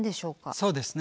そうですね。